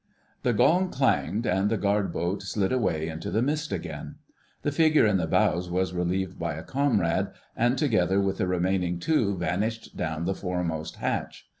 The gong clanged, and the Guard Boat slid away into the mist again. The figure in the bows was relieved by a comrade, and together with the remaining two vanished down the foremost hatch.